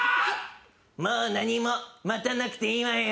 もう何も待たなくていいわよ。